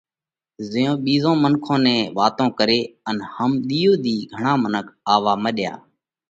زائينَ ٻِيزون منکون نئہ واتون ڪري ان هم ۮِيئو ۮِي گھڻا منک آوَوا مڏيا۔